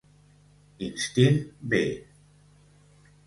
Instint B